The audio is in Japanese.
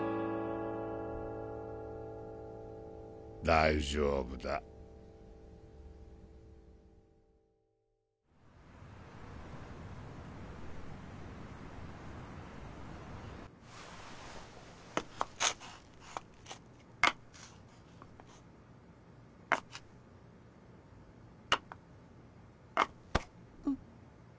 大丈夫だんっ。